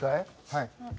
はい。